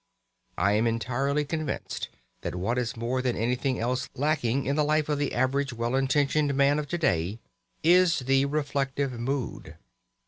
I am entirely convinced that what is more than anything else lacking in the life of the average well intentioned man of to day is the reflective mood.